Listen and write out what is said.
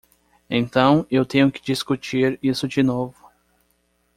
Então eu tenho que discutir isso de novo.